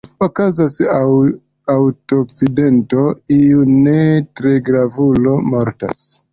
Okazas aŭtoakcidento, iu ne-tre-grav-ulo mortas.